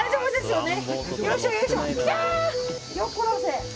よっこらせ。